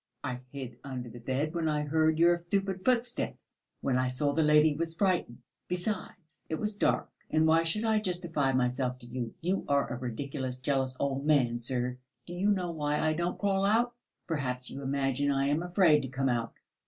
I hid under the bed when I heard your stupid footsteps, when I saw the lady was frightened. Besides, it was dark. And why should I justify myself to you. You are a ridiculous, jealous old man, sir. Do you know why I don't crawl out? Perhaps you imagine I am afraid to come out?